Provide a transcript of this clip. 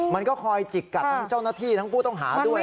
มันก็คอยจิกกัดทั้งเจ้าหน้าที่ทั้งผู้ต้องหาด้วย